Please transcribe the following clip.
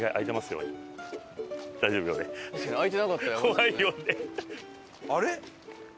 怖いよね。